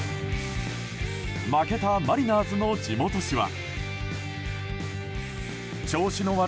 負けたマリナーズの地元紙は。